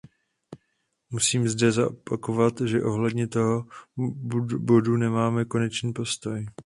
Musím zde zopakovat, že ohledně tohoto bodu nemáme konečný postoj.